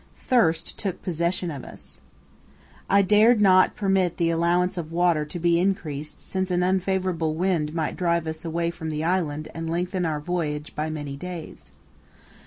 Thirst took possession of us. I dared not permit the allowance of water to be increased since an unfavourable wind might drive us away from the island and lengthen our voyage by many days.